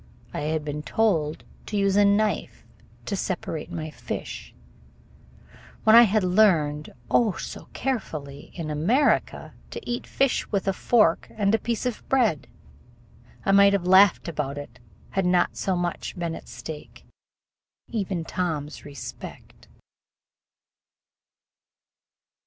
I had been told to use a knife to separate my fish, when I had learned, oh, so carefully, in America to eat fish with a fork and a piece of bread. I might have laughed about it all had not so much been at stake, even Tom's respect.